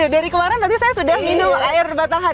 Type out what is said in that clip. dari kemarin berarti saya sudah minum air batahan